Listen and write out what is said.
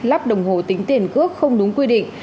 lắp đồng hồ tính tiền cước không đúng quy định